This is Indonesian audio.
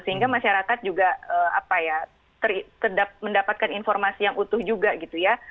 sehingga masyarakat juga mendapatkan informasi yang utuh juga gitu ya